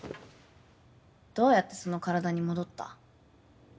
どうやってその体に戻った？